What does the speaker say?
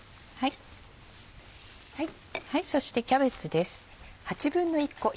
そしてキャベツです。